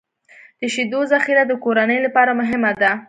د شیدو ذخیره د کورنۍ لپاره مهمه ده.